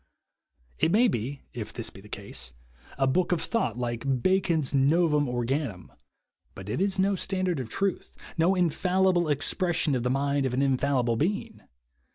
It may be (if this be the case) a book of thought like Bacon's No vum Organum, but it is no standard of truth, no infalli ble expression of the mind of an infallible being